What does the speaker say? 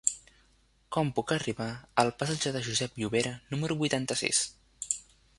Com puc arribar al passatge de Josep Llovera número vuitanta-sis?